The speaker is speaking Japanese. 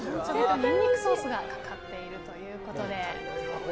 ニンニクソースがかかっているということで。